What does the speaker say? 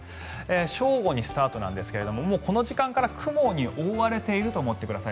正午にスタートなんですがこの時間からもう雲に覆われていると思ってください。